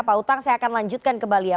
pak utang saya akan lanjutkan kembali ya